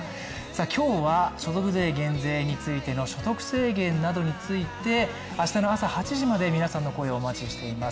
今日は所得税減税についての所得制限などについて明日の朝８時まで、皆さんの声をお待ちしています。